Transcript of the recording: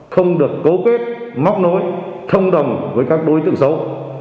không được cố kết móc nối thông đồng với các đối tương xấu